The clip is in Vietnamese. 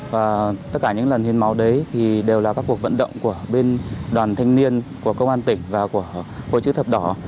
và tất cả những lần hiến máu đấy thì đều là các cuộc vận động của bên đoàn thanh niên của công an tỉnh và của hội chữ thập đỏ